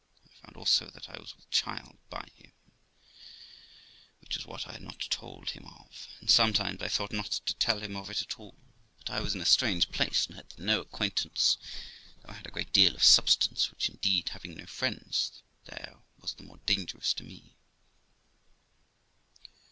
I found also that I was with child by him, which was what I had not yet told him of, and sometimes I thought not to tell him of it at all; but I was in a strange place, and had no acquaintance, though I had a great deal of substance, which indeed, having no friends there, was the more dangerous to me.